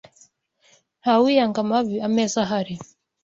Ntawiyaga amabi ameza ahari